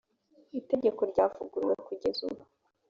itegeko ryavuguruwe kugeza ubu .